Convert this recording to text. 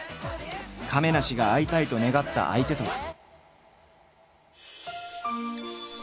亀梨が会いたいと願った相手とは。